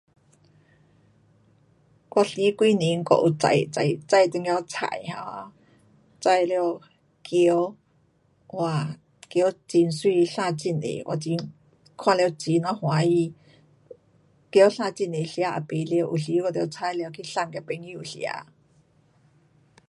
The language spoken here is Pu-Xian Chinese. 我前几年我有种，种，种一点菜 um。种了紫菜，哇，紫菜很美，生很多，我很，看了很呀欢喜。紫菜生很多吃也不完，有时我得採了去送给朋友吃。um